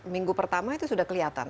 minggu pertama itu sudah kelihatan